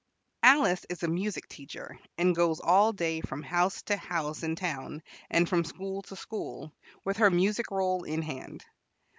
Alice is a music teacher, and goes all day from house to house in town, and from school to school, with her music roll in hand.